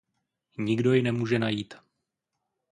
Nikdo ji nemůže najít.